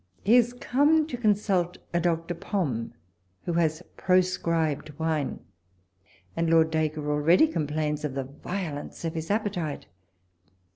He is come to consult a Doctor Pomme who has prescribed wine, and Lord Dacre already complains of the violence of his appe tite.